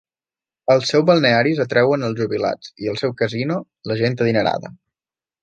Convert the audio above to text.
Els seus balnearis atrauen els jubilats, i el seu casino, la gent adinerada.